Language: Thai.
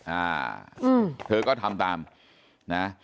อ่าเธอก็ทำตามนะ